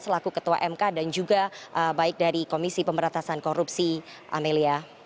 selaku ketua mk dan juga baik dari komisi pemberantasan korupsi amelia